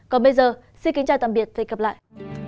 còn bây giờ xin kính chào tạm biệt và hẹn gặp lại